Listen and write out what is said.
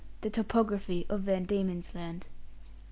THE TOPOGRAPHY OF VAN DIEMEN'S LAND.